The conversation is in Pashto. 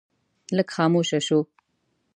لږ خاموشه شو.